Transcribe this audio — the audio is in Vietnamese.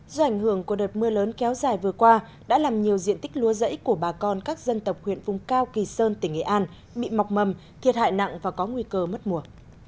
do ảnh hưởng của đợt mưa lớn kéo dài vừa qua đã làm nhiều diện tích lúa rẫy của bà con các dân tộc huyện vùng cao kỳ sơn tỉnh nghệ an bị mọc mầm thiệt hại nặng và có nguy cơ mất mùa